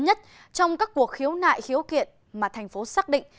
nhất trong các cuộc khiếu nại khiếu kiện mà thành phố xác định